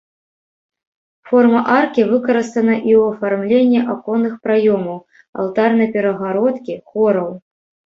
Форма аркі выкарыстана і ў афармленні аконных праёмаў, алтарнай перагародкі, хораў.